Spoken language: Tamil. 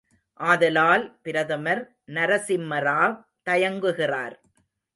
ஆதலால் பிரதமர் நரசிம்மராவ் தயங்குகிறார்.